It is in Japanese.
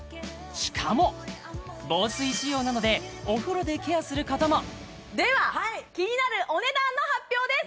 しかも防水仕様なのでお風呂でケアすることもではキニナルお値段の発表です